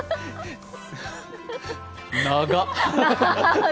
長っ！